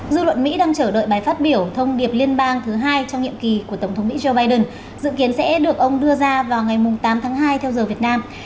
dư luận mỹ đang chờ đợi bài phát biểu thông điệp liên bang thứ hai trong nhiệm kỳ của tổng thống mỹ joe biden dự kiến sẽ được ông đưa ra vào ngày tám tháng hai theo giờ việt nam